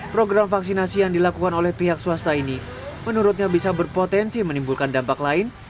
program vaksinasi yang dilakukan oleh pihak swasta ini menurutnya bisa berpotensi menimbulkan dampak lain